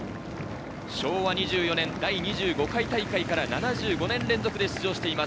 昭和２４年、第２５回大会から７５年連続で出場しています。